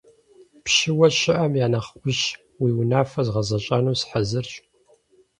- Пщыуэ щыӀэм я нэхъ Ӏущ, уи унафэр згъэзэщӀэну сыхьэзырщ.